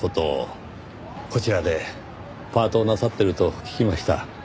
こちらでパートをなさってると聞きました。